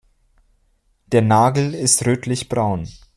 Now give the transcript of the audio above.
Der Nagel ist rötlich braun.